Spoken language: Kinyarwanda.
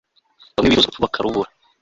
bamwe bifuza urupfu bakarubura